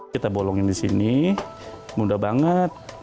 kita bolongin di sini mudah banget